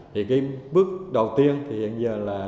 thì cái bước đầu tiên thì hiện giờ là